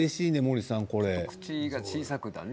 口は小さくだね。